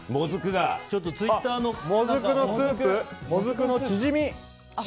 ツイッターのもずくのスープ、もずくのチヂミ。